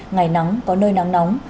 ngày nắng có nơi nắng nóng